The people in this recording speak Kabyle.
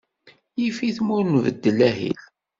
Yif-it ma ur nbeddel ahil.